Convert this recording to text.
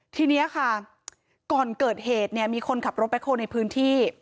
ทีนี้ค่ะก่อนเกิดเหตุเนี่ยมีคนขับรถแบ็คโฮลในพื้นที่